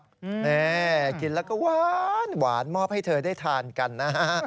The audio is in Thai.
นี่กินแล้วก็หวานมอบให้เธอได้ทานกันนะฮะ